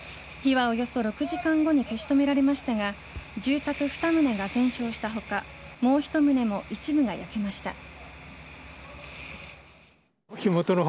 火はおよそ６時間後に消し止められましたが住宅２棟が全焼した他もう１棟も一部が焼けました。